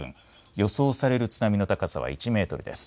予想される津波の高さは１メートルです。